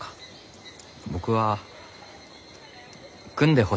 僕は組んでほしいけどね。